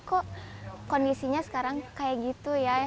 kok kondisinya sekarang kayak gitu ya